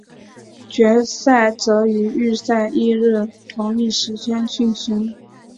决赛则于预赛翌日同一时间进行。